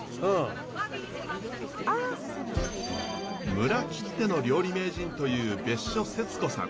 村きっての料理名人という別所節子さん。